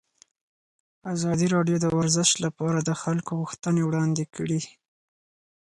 ازادي راډیو د ورزش لپاره د خلکو غوښتنې وړاندې کړي.